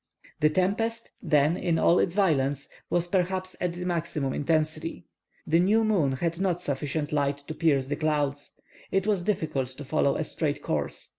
The tempest, then in all its violence, was, perhaps, at its maximum intensity. The new moon had not sufficient light to pierce the clouds. It was difficult to follow a straight course.